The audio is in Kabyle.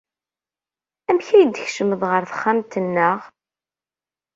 Amek ay d-tkecmeḍ ɣer texxamt-nneɣ?